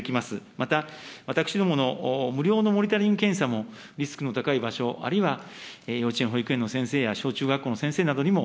また、私どもの無料のモニタリング検査も、リスクの高い場所、あるいは幼稚園、保育園の先生や小中学校の先生などにも、